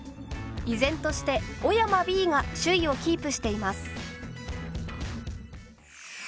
依然として小山Ｂが首位をキープしています。